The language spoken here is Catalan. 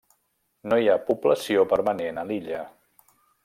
No hi ha població permanent a l'illa.